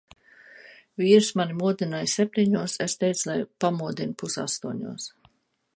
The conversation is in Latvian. Vīrs mani modināja septiņos, es teicu, lai pamodina pus astoņos.